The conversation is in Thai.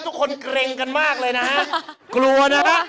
ทุกคนเกรงกันมากเลยนะฮะ